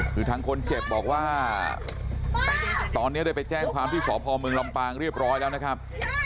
คือทางคนเจ็บบอกว่าตอนนี้ได้ไปแจ้งความที่สพเมืองลำปางเรียบร้อยแล้วนะครับ